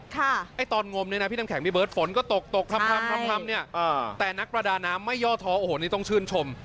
ตอนงมนี้พี่น้ำแข็งมีเบิร์ดฝนก็ตกแต่นักประดาน้ำไม่ย่อท้อต้องชื่นชม